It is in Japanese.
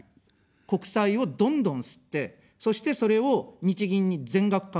国債をどんどん刷って、そしてそれを日銀に全額、買わせる。